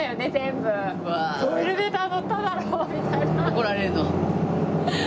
怒られるの？